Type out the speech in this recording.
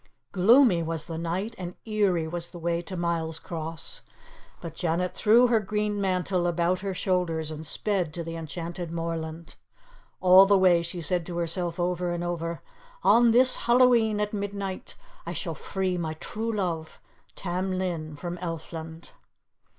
Gloomy was the night, and eerie was the way to Milescross. But Janet threw her green mantle about her shoulders, and sped to the enchanted moorland. All the way she said to herself over and over, "On this Hallowe'en at midnight I shall free my true love, Tam Lin, from Elfland."